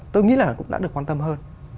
tôi nghĩ là cũng đã được quan tâm hơn